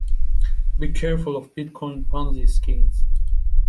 Be careful of bitcoin Ponzi schemes.